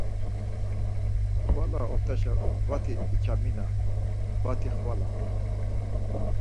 Xvala ort̆aşa vati içamina, vati xvala.